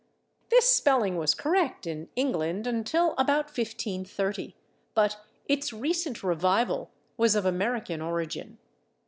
This spelling was correct in England until about 1530, but its recent revival was of American origin.